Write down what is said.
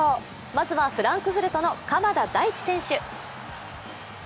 まずはフランクフルトの鎌田大地選手。